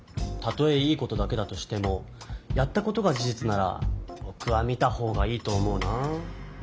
たとえいいことだけだとしてもやったことが事実ならぼくは見たほうがいいと思うな。